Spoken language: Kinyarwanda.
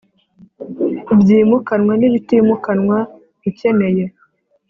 byimukanwa n ibitimukanwa ukeneye